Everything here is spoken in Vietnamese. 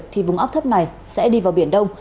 thì vùng áp thấp này sẽ đi vào biển đông